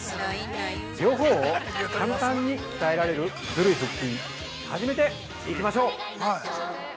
◆両方を簡単に鍛えられるズルい腹筋始めていきましょう！